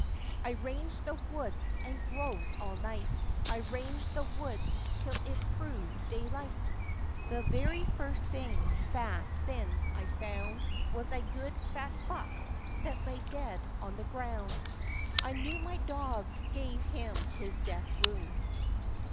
I ranged the woods and groves all night, I ranged the woods till it proved daylight; The very first thing that then I found, Was a good fat buck that lay dead on the ground; I knew my dogs gave him his death wound.